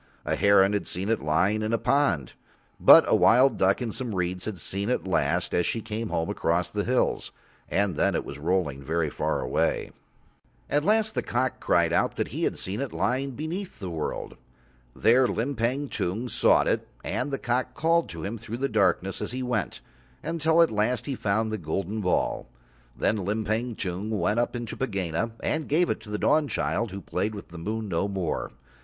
A heron had seen it lying in a pond, but a wild duck in some reeds had seen it last as she came home across the hills, and then it was rolling very far away. At last the cock cried out that he had seen it lying beneath the world. There Limpang Tung sought it and the cock called to him through the darkness as he went, until at last he found the golden ball. Then Limpang Tung went up into Pegāna and gave it to the Dawnchild, who played with the moon no more.